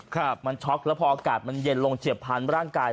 ครับมันช็อกแล้วพออากาศมันเย็นลงเฉียบพันธุ์ร่างกาย